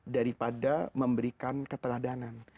daripada memberikan keteladanan